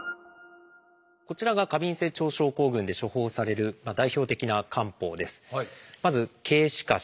こちらが過敏性腸症候群で処方される代表的な漢方です。